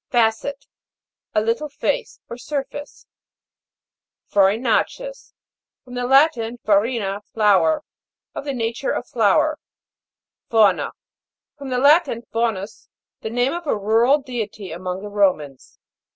FA'CE 1 . A little face, or surface. FARINA'CEOUS. From the Latin, farina, flour. Of the nature of flour. FAU'NA. From the Latin, faunus, the name of a rural deity among the Romans.